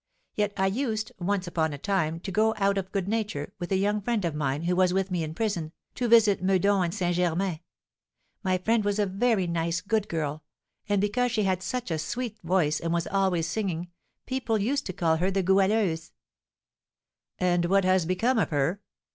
Yet I used, once upon a time, to go, out of good nature, with a young friend of mine, who was with me in prison, to visit Meudon and St. Germain. My friend was a very nice, good girl, and because she had such a sweet voice, and was always singing, people used to call her the Goualeuse." "And what has become of her?"